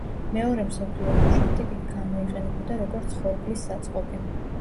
მეორე მსოფლიო ომის შემდეგ იგი გამოიყენებოდა როგორც ხორბლის საწყობი.